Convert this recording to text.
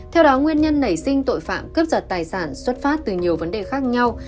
theo đó nguyên nhân nảy sinh tội phạm cướp giật tài sản xuất phát từ nhiều vấn đề khác nhau